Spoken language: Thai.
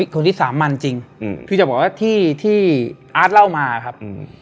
คนที่สามัญจริงพี่จะบอกว่าที่ที่อาร์ตเล่ามาครับ